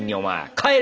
帰れ！